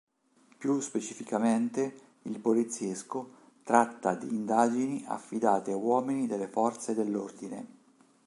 Più specificamente il poliziesco tratta di indagini affidate a uomini delle forze dell'ordine.